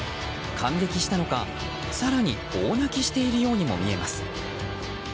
感激したのか、更に大泣きしているようにも見えます。